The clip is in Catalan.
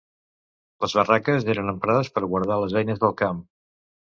Les barraques eren emprades per guardar les eines del camp.